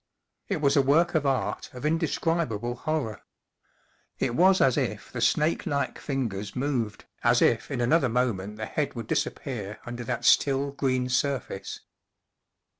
It was a work of alrt nf indescribable horror. It w^s els if tfip spake li^ci fingers moved, as W. L. George 6 i if in another moment the head would dis appear under that still green surface.